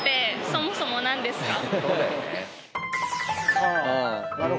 そもそもですね